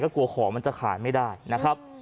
กลัวของมันจะขายไม่ได้นะครับ